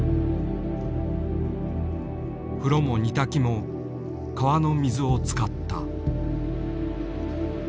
風呂も煮炊きも川の水を使った。